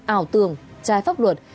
ảo tường trai pháp luật